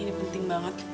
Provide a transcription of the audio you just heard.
ini penting banget